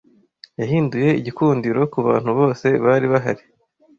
Yahinduye igikundiro kubantu bose bari bahari.